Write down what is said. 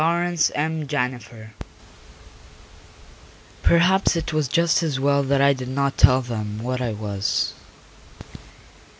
WILLIAM LOGAN_ Perhaps it was just as well that I did not tell them what I was....